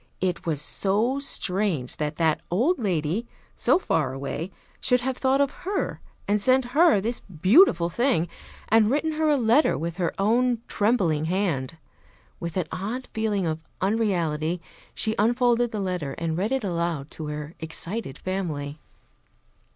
It was so strange that that old lady, so far away, should have thought of her and sent her this beautiful thing, and written her a letter with her own trembling hand. With an odd feeling of unreality she unfolded the letter and read it aloud to her excited family.